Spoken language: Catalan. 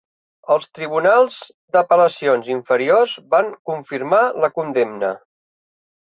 Els tribunals d'apel·lacions inferiors van confirmar la condemna.